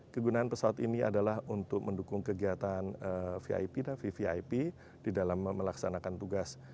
kegunaan pesawat ini adalah untuk mendukung kegiatan vip dan vvip di dalam melaksanakan tugas